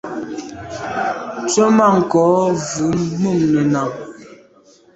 Tswemanko’ vù mum nenà.